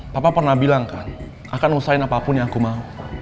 papa pernah bilang kan akan ngusain apapun yang aku mau